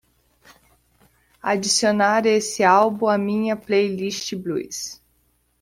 adicionar este álbum à minha playlist Blues